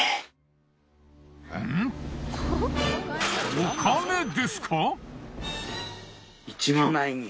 お金ですか！？